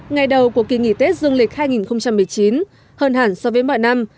ngày đầu của kỳ nghỉ tết dương lịch hai nghìn một mươi chín hơn hẳn so với mọi năm